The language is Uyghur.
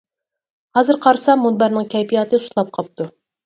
ھازىر قارىسام مۇنبەرنىڭ كەيپىياتى سۇسلاپ قاپتۇ.